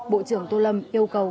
bộ trưởng tô lâm yêu cầu